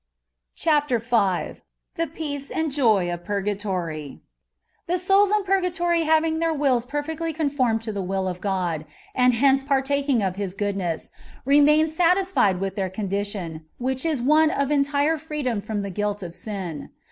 ò A TREATISE ON PURGATOKY. CHAPTER V. THE PEACE AND JOT OF PUBGATORT. The souls in purgatory having their wills perfectly confonned to the will of God, and hence partaking of His goodness, remain satisfied with their con dition, which is one of entire freedom from the guilt of sin.